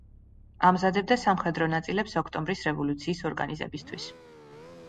ამზადებდა სამხედრო ნაწილებს ოქტომბრის რევოლუციის ორგანიზებისთვის.